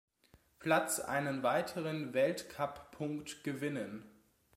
Platz einen weiteren Weltcup-Punkt gewinnen.